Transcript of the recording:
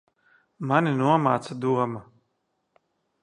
Mani nomāca doma.